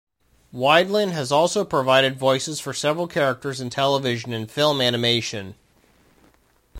Wiedlin has also provided voices for several characters in television and film animation.